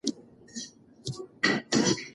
په ټولنه کې چې شفافيت او حساب ورکونه وي، فساد کمېږي.